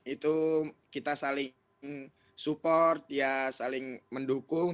itu kita saling support ya saling mendukung